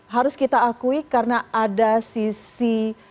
harus kita akui karena ada sisi